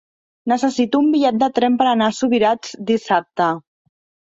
Necessito un bitllet de tren per anar a Subirats dissabte.